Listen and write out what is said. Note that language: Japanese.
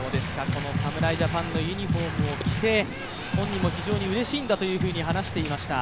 この侍ジャパンのユニフォームを着て、本人も非常にうれしいんだというふうに話していました。